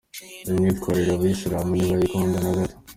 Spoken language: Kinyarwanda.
Iyi myitwarire abayisilamu ntibayikunda na gato.